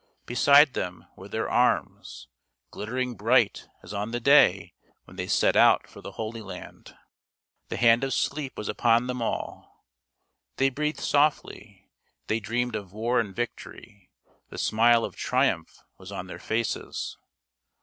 Beside them were their arms, glittering bright as on the day when they set out for the Holy Land. The hand of sleep was upon them all. They breathed softly ; they dreamed of war and victory; the smile of triumph was on their faces.